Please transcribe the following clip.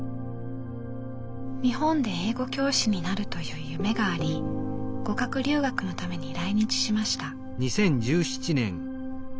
日本で英語教師になるという夢があり語学留学のために来日しました。